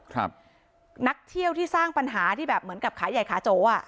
ครับนักเที่ยวที่สร้างปัญหาที่แบบเหมือนกับขาใหญ่ขาโจอ่ะ